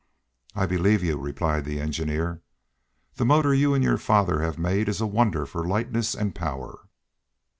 "I believe you," replied the engineer. "The motor you and your father have made is a wonder for lightness and power."